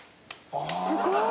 すごい！